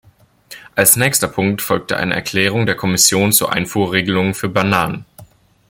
Als nächster Punkt folgt eine Erklärung der Kommission zur Einfuhrregelung für Bananen.